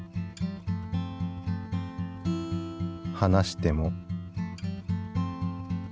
離しても。